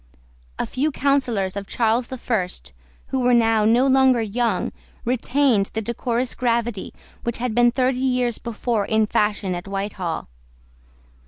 A few counsellors of Charles the First, who were now no longer young, retained the decorous gravity which had been thirty years before in fashion at Whitehall.